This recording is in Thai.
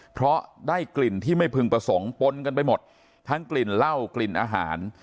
เพราะได้กลิ่นที่ไม่พึงประสงค์ปนกันไปหมดทั้งกลิ่นเหล้ากลิ่นอาหาร